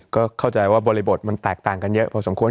ก็เข้าใจว่าบริบทมันแตกต่างกันเยอะพอสมควร